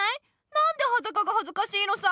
なんではだかがはずかしいのさ！